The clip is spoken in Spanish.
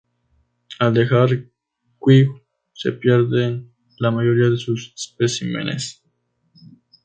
Al dejar Kew, se pierden la mayoría de sus especímenes.